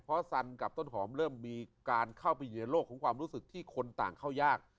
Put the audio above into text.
เพราะสันกับต้นหอมเริ่มมีการเข้าไปอยู่ในโลกของความรู้สึกที่คนต่างเข้ายาก